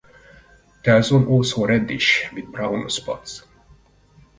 Telson also reddish with brown spots.